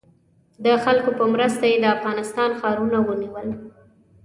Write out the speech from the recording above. د خلکو په مرسته یې د افغانستان ښارونه ونیول.